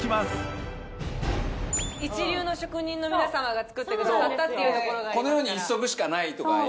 一流の職人の皆様が作ってくださったっていうところがありますから。